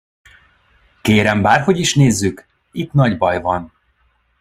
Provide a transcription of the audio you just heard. Kérem, bárhogy is nézzük: itt nagy baj van.